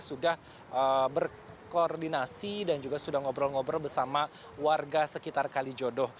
sudah berkoordinasi dan juga sudah ngobrol ngobrol bersama warga sekitar kalijodo